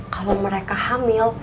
kalau mereka hamil